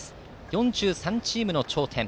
４３チームの頂点。